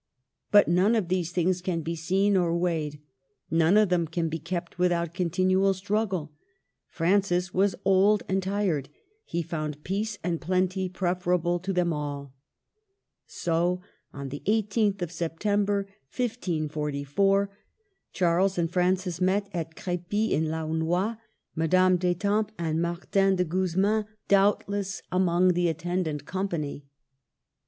But none of these things can be seen or weighed ; none of them can be kept without continual struggle. Francis was old and tired. He found peace and plenty preferable to them all. So, on the i8th of September, 1544, Charles and Francis met at Crepy in Laonnois, Madame d'Etampes and Martin de Guzman, doubtless, DOWNFALL. 255 among the attendant company.